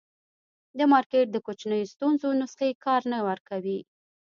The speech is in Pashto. د مارکېټ د کوچنیو ستونزو نسخې کار نه ورکوي.